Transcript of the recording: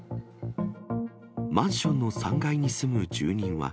マンションの３階に住む住人は。